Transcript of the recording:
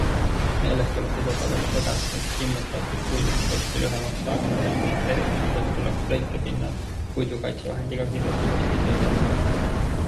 Meeles tuleb pidada vaid seda, et immutatud puidust posti lühemaks saagimisel või teritamisel tuleb lõikepinnad puidukaitsevahendiga kindlasti uuesti töödelda.